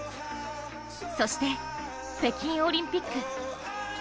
そして、北京オリンピック。